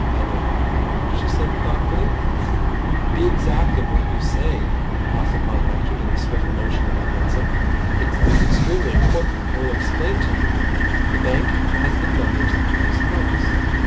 "Other name?" she said thoughtfully. "Be exact in what you say," Ossipon lectured in the swift motion of the hansom. "It's extremely important. I will explain to you. The bank has the numbers of these notes.